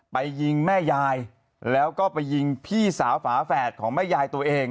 ยิงแม่ยายแล้วก็ไปยิงพี่สาวฝาแฝดของแม่ยายตัวเอง